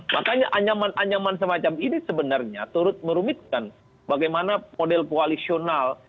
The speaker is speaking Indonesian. makanya anyaman anyaman semacam ini sebenarnya turut merumitkan bagaimana model koalisional